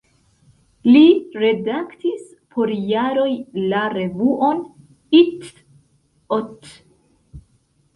Li redaktis por jaroj la revuon "Itt-Ott".